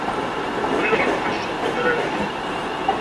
Ulin ɣer tqacuct n udrar-nni.